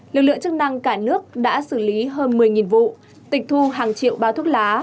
lực lượng chức năng cả nước đã xử lý hơn một mươi vụ tịch thu hàng triệu bao thuốc lá